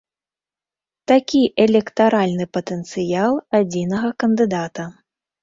Такі электаральны патэнцыял адзінага кандыдата.